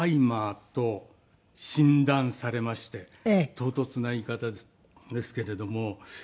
唐突な言い方ですけれども。